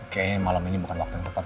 kayaknya malam ini bukan waktu yang tepat